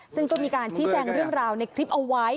ซึ่งก็มีการชี้แจงเรื่องราวในคลิปเอาไว้